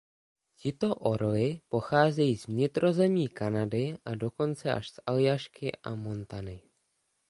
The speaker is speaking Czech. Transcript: Tito orli pocházejí z vnitrozemí Kanady a dokonce až z Aljašky a Montany.